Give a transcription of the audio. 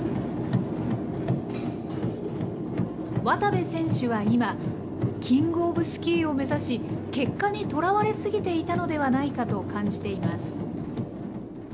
渡部選手は今、キングオブスキーを目指し、結果にとらわれ過ぎていたのではないかと感じています。